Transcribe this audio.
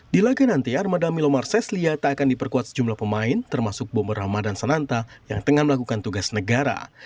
di laga nanti armada milomar ceslia tak akan diperkuat sejumlah pemain termasuk bomber ramadan sananta yang tengah melakukan tugas negara